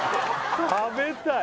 食べたい！